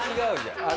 あれ？